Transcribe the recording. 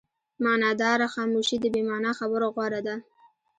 معناداره خاموشي د بې معنا خبرو غوره ده.